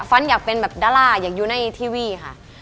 อยากเป็นแบบดาราอยากอยู่ในทีวีค่ะ